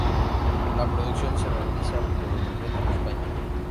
La producción se realiza por completo en España.